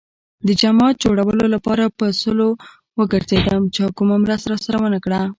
د جماعت جوړولو لپاره په سلو وگرځېدم. چا کومه مرسته راسره ونه کړه.